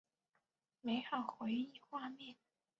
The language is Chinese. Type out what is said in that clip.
美好回忆画面